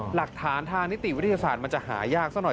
หลักฐานทางนิติวิทยาศาสตร์มันจะหายากซะหน่อย